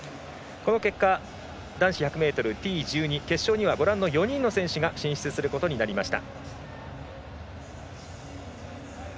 男子１００ｍＴ１２決勝には４人の選手が進出することになりました。